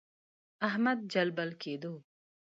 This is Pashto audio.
احمد جلبل کېدو.